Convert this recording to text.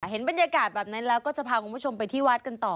เห็นบรรยากาศแบบนั้นแล้วก็จะพาคุณผู้ชมไปที่วัดกันต่อ